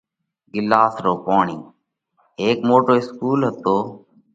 ڳِلاس رو پوڻِي : هيڪ موٽو اِسڪُول هتو